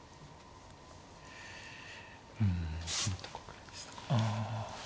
うん。ああ。